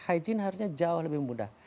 hygiene harusnya jauh lebih mudah